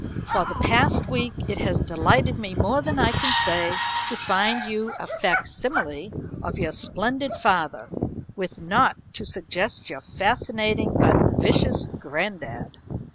For the past week it has delighted me more than I can say to find you a fac simile of your splendid father, with naught to suggest your fascinating but vicious granddad."